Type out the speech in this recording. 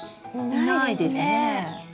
いないですね。